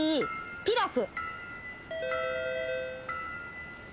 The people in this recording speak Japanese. ピラフ。